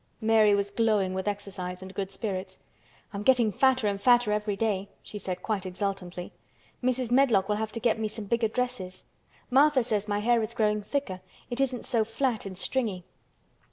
Mary was glowing with exercise and good spirits. "I'm getting fatter and fatter every day," she said quite exultantly. "Mrs. Medlock will have to get me some bigger dresses. Martha says my hair is growing thicker. It isn't so flat and stringy."